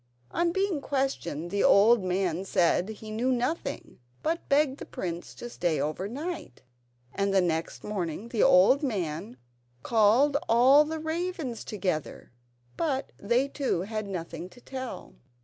On being questioned the old man said he knew nothing, but begged the prince to stay overnight, and the next morning the old man called all the ravens together, but they too had nothing to tell.